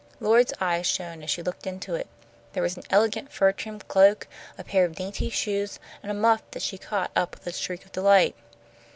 Lloyd's eyes shone as she looked into it. There was an elegant fur trimmed cloak, a pair of dainty shoes, and a muff that she caught up with a shriek of delight.